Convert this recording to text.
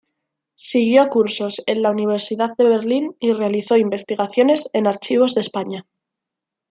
Siguió cursos en la Universidad de Berlín y realizó investigaciones en archivos de España.